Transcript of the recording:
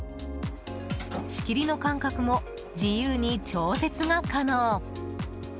仕切りの間隔も自由に調節が可能。